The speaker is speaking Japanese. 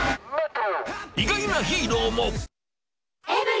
意外なヒーローも。